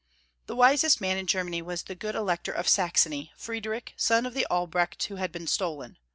The wisest man in Germany was the good Elec tor of Saxony, Friediich, son of the Albrecht who had been stolen.